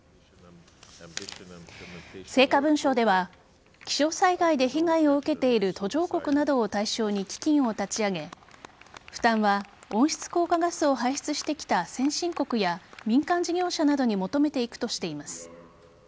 成果文書では気象災害で被害を受けている途上国などを対象に基金を立ち上げ負担は温室効果ガスを排出してきた先進国や民間事業者などに求めていくとしています。